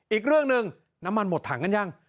อีกเรื่องหนึ่งน้ำมันหมดถังกันยัง